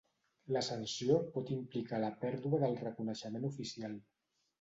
La sanció pot implicar la pèrdua del reconeixement oficial.